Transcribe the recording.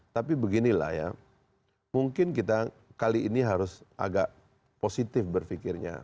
tapi beginilah ya mungkin kita kali ini harus agak positif berpikirnya